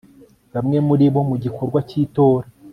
bamwe muri bo mu gikorwa cy itora